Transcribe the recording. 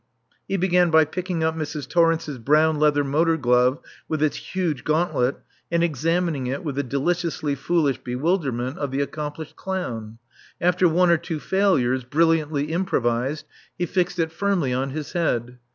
He began by picking up Mrs. Torrence's brown leather motor glove with its huge gauntlet, and examining it with the deliciously foolish bewilderment of the accomplished clown. After one or two failures, brilliantly improvised, he fixed it firmly on his head.